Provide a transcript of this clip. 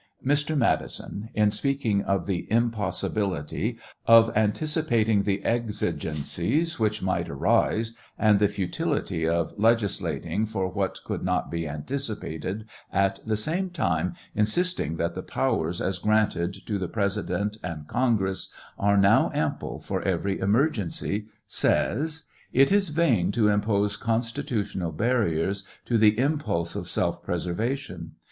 Mr. Madison, in speaking of the impossibility of anticipating the exigencies which might arise, and the futility of legislating for what could not be anticipated, at the same time insisting that the powers as granted to the President and Con gress are now ample for every emergency, says: It is vain to impose constitutional barriers to the impulse of self preservation.